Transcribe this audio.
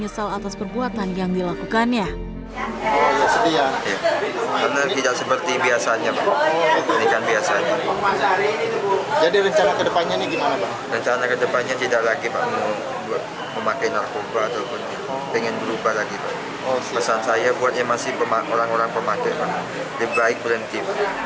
pesan saya buat yang masih orang orang pemakai lebih baik berhenti